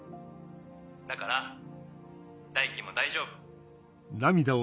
だから大樹も大丈夫。